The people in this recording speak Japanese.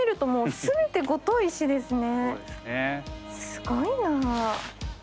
すごいな。